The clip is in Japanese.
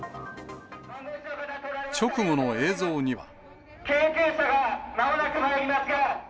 直後の映像には。